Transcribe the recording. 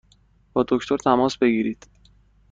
با دکتر تماس بگیرید!